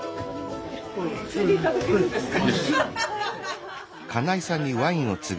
ついで頂けるんですか？